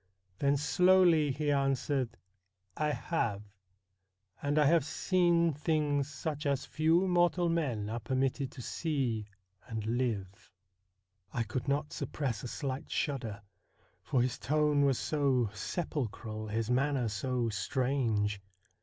Then slowly he answered : THE BLUE STAR 29 ' I have ; and I have seen things such as few mortal men are permitted to see and live.' I could not suppress a slight shudder, for his tone was so sepulchral, his manner so strange.